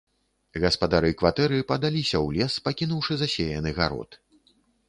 Гаспадары кватэры падаліся ў лес, пакінуўшы засеяны гарод.